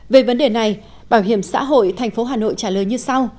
về vấn đề này bảo hiểm xã hội thành phố hà nội trả lời như sau